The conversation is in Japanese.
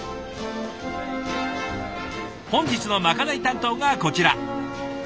本日のまかない担当がこちら！